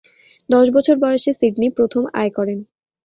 দশ বছর বয়সে সিডনি প্রথম আয় করেন।